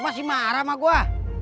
masih marah sama gue